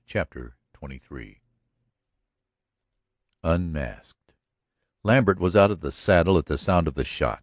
CHAPTER XXIII UNMASKED Lambert was out of the saddle at the sound of the shot.